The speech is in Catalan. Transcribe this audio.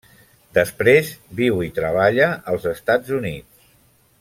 Després, viu i treballa als Estats Units.